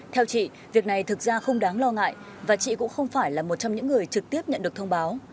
theo chị việc này thực ra không đáng lo ngại và chị cũng không phải là một trong những người trực tiếp nhận được thông báo